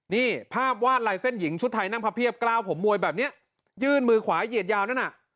นี่ภาพวาดลายเส้นหญิงชุดไทยนั่งพับเพียบกล้าวผมมวยแบบนี้ยื่นมือขวาเหยียดยาวนั่นน่ะ